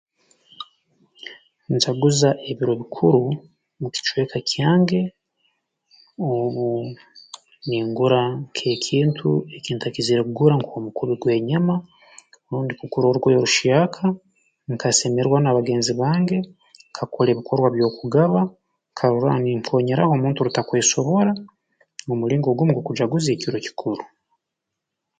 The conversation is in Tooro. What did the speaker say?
Njaguza ebiro bikuru mu kicweka kyange obu ningura nk'ekintu ekintakizire kugura nk'omukubi gw'enyama rundi kugura orugoye ruhyaka nkasemererwa na bagenzi bange nkakora ebikorwa by'okugaba nkarora ninkoonyeraho omuntu rutakwesobora mu mulingo gumu gw'okujaguzi ekiro ekikuru